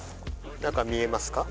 何か見えますか？